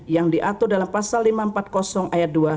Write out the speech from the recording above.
yang diatur dalam pasal lima ratus empat puluh ayat dua